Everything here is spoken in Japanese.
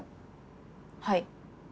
はい。